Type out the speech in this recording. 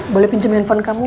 boleh pinjam handphone kamu